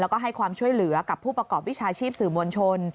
แล้วก็ให้ความช่วยเหลือกับผู้ประกอบวิชาชีพสื่อมวลชน